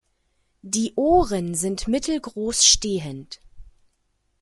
Die Ohren sind mittelgroß, stehend.